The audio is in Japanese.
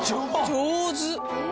上手。